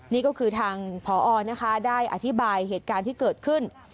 นี่ก็คือทางพอนะคะได้อธิบายเหตุการณ์ที่เกิดขึ้น